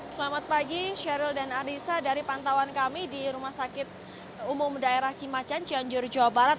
selamat pagi sheryl dan anissa dari pantauan kami di rumah sakit umum daerah cimacan cianjur jawa barat